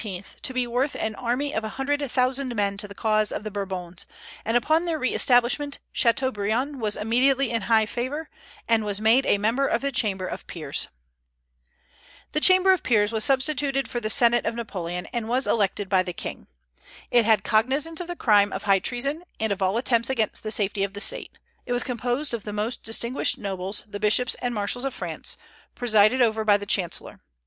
to be worth an army of a hundred thousand men to the cause of the Bourbons; and upon their re establishment Chateaubriand was immediately in high favor, and was made a member of the Chamber of Peers. The Chamber of Peers was substituted for the Senate of Napoleon, and was elected by the king. It had cognizance of the crime of high treason, and of all attempts against the safety of the State. It was composed of the most distinguished nobles, the bishops, and marshals of France, presided over by the chancellor.